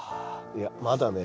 いやまだね